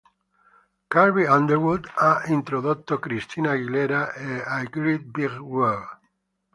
Carrie Underwood ha introdotto Christina Aguilera e A Great Big World.